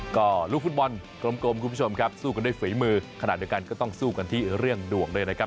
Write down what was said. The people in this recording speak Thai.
ก็ลูกฟุตบอลกลมคุณผู้ชมครับสู้กันด้วยฝีมือขณะเดียวกันก็ต้องสู้กันที่เรื่องดวงด้วยนะครับ